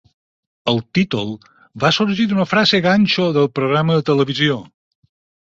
El títol va sorgir d'una frase ganxo del programa de televisió.